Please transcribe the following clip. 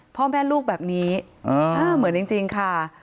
พ่อแม่ลูกแบบนี้เหมือนจริงค่ะ